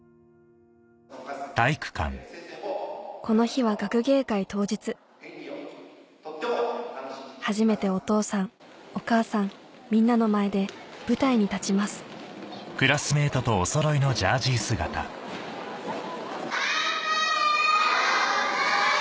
この日は学芸会当日初めてお父さんお母さんみんなの前で舞台に立ちます頑張れ！